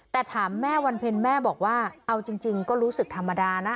แต่ถามแม่วันเพ็ญแม่บอกว่าเอาจริงก็รู้สึกธรรมดานะ